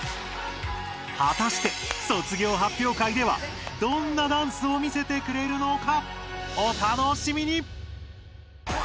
はたして卒業発表会ではどんなダンスを見せてくれるのか？